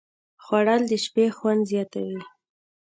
خوړل د شپې خوند زیاتوي